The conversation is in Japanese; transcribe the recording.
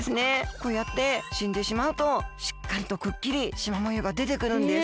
こうやってしんでしまうとしっかりとくっきりしまもようがでてくるんです。